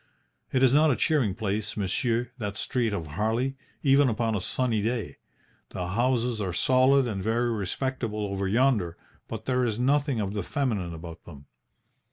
It is not a cheering place, monsieur, that street of Harley, even upon a sunny day. The houses are solid and very respectable over yonder, but there is nothing of the feminine about them.